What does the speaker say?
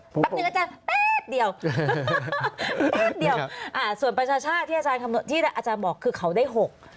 แป๊บนึงแล้วกันแป๊บเดียวแป๊บเดียวอ่าส่วนประชาชาติที่อาจารย์คำนวณที่อาจารย์บอกคือเขาได้หก